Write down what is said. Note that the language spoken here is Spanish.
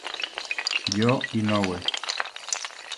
Jo Inoue